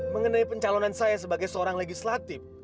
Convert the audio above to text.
mengenai pencalonan saya sebagai seorang legislatif